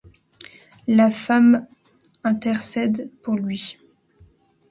La femme intercède pour lui.